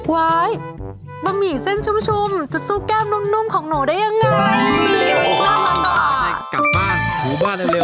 วายบะหมี่เส้นชุ่มชุมจะสู้แก้วนุ่มของหนูได้ยังไง